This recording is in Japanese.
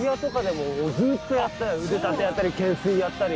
腕立てやったり懸垂やったり。